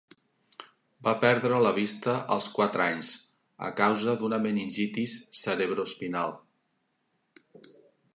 Va perdre la vista als quatre anys a causa d'una meningitis cerebroespinal.